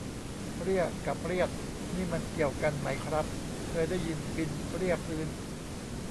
เรี่ย กับ เรียด นี่มันเกี่ยวกันไหมครับ เคยได้ยิน บินเรี่ยพื้น